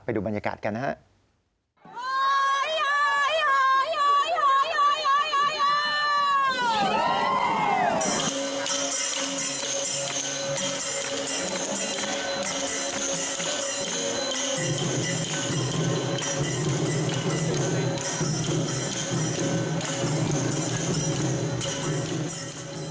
ดูบรรยากาศกันนะครับ